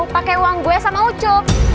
pake uang gue sama ucup